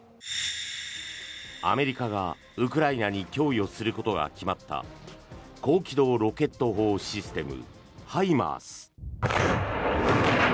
アメリカがウクライナに供与することが決まった高機動ロケット砲システムＨＩＭＡＲＳ。